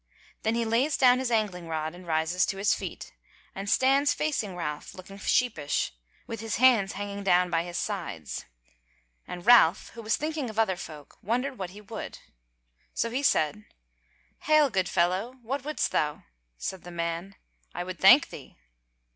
Then he lays down his angling rod and rises to his feet, and stands facing Ralph, looking sheepish, with his hands hanging down by his sides; and Ralph, who was thinking of other folk, wondered what he would. So he said: "Hail, good fellow! What wouldst thou?" Said the man: "I would thank thee."